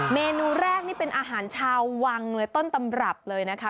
เมนูแรกนี่เป็นอาหารชาววังเลยต้นตำรับเลยนะคะ